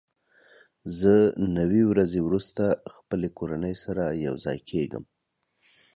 زه نوي ورځې وروسته خپلې کورنۍ سره یوځای کېږم.